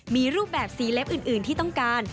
มีรูปแบบสีเล็บอื่นที่ต้องการ